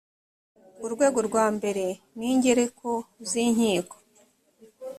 urwego rwa mbere n’ingereko z’inkiko